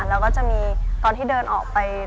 แล้วก็จะมีตอนที่เดินออกไป